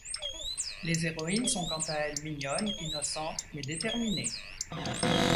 Les héroïnes sont quant à elles mignonnes, innocentes mais déterminées.